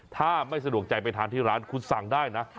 ถ้าไม่สะดวกใจไปทานที่ร้านคุณสั่งได้นะ